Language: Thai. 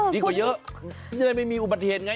ดีกว่าเยอะให้ไม่มีอุบัติเหตุไง